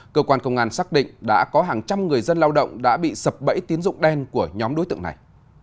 cơ quan công an xác định đã có hàng trăm người dân lao động đã bị sập bẫy tín dụng đen của nhóm đối tượng này